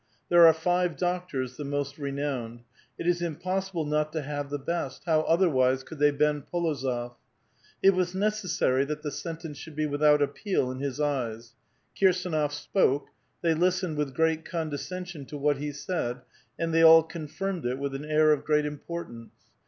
There are five doctors, the most renowned ; it is impossible not to have the best; liow otherwise could thev bend P6lozof? It was nee "essary that the sentence should be without appeal in his eyes. Kirsdnof spoke ; they listened with great condescen sion to what he said, and thev all confirmed it with an air of great importance.